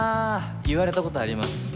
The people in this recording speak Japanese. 言われた事あります。